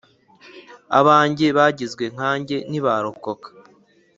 Abanjye bagizwe nkanjye ntibarokoka